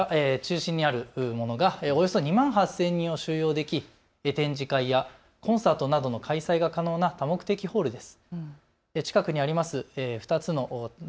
中心にある丸い屋根の建物、こちら、およそ２万８０００人を収容でき展示会やコンサートなどの開催が可能な多目的ホールです。